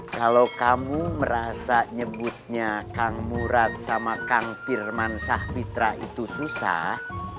kalau kamu merasa nyebutnya kang murad sama kang pirman sahmitra itu susah